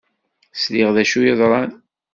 Sliɣ d acu yeḍran.